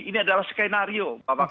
ini adalah skenario